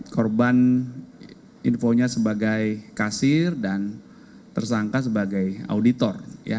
korban infonya sebagai kasir dan tersangka sebagai auditor